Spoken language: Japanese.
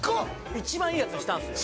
一番いいやつにしたんすよ